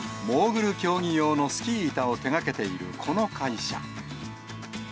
モーグル競技用のスキー板を手がけているこの会社。